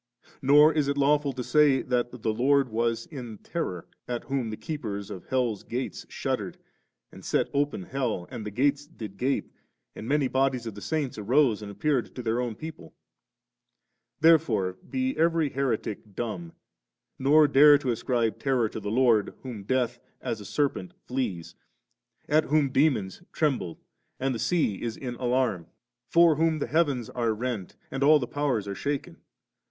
Nor is it lawful to say that the Lord was m terror, at whom the keepers of helFs gates shuddered 4 and set open hell, and the graves did gape, and many bodies of the saints arose and appeared to their own people «• Therefore be every heretic dumb, nor dare to ascribe terror to the Lord whom death, as a serpent, flees, at whom demons tremble, and the sea is in alarm ; for whom the heavens are rent and all the powers are shaken.